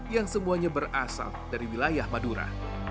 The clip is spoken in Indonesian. yang semuanya berasal dari wilayah madura